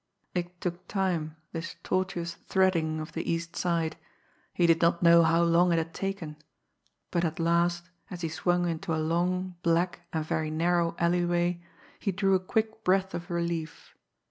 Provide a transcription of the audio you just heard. It took time, this tortuous threading of the East Side he did not know how long it had taken but at last, as he swung into a long, black, and very narrow alleyway, he drew a quick breath of relief.